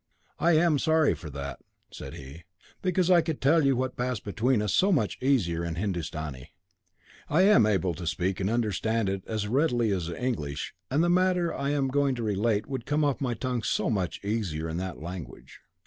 "I am sorry for that," said he, "because I could tell you what passed between us so much easier in Hindustani. I am able to speak and understand it as readily as English, and the matter I am going to relate would come off my tongue so much easier in that language."